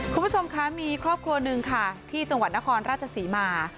คุณผู้ชมคะมีครอบครัวหนึ่งค่ะที่จังหวัดนครราชศรีมา